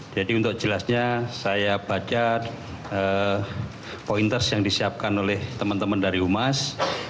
jadi untuk jelasnya saya baca pointers yang disiapkan oleh teman teman dari umas